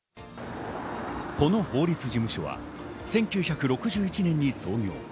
この法律事務所は１９６１年に創業。